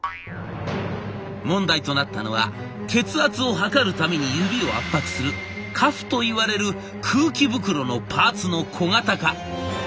問題となったのは血圧を測るために指を圧迫するカフといわれる空気袋のパーツの小型化。